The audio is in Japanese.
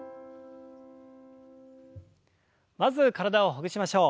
まず体をほぐしましょう。